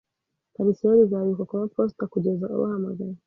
Parcelle izabikwa kumaposita kugeza ubahamagaye